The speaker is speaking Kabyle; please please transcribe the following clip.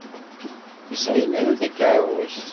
Ur sɛin ara takeṛṛust.